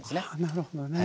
なるほどね。